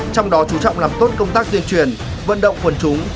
cố trọng làm tốt công tác tuyên truyền vận động quần chúng